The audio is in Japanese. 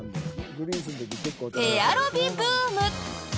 エアロビブーム！